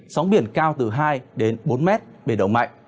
sóng biển cao từ hai đến bốn mét bề đầu mạnh